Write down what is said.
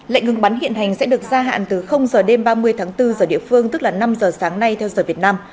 lệnh ngừng bắn hiện hành sẽ được gia hạn từ giờ đêm ba mươi tháng bốn giờ địa phương tức là năm giờ sáng nay theo giờ việt nam